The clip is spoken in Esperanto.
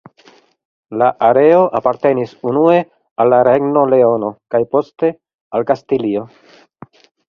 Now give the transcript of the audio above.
La areo apartenis unue al la Regno Leono kaj poste al Kastilio.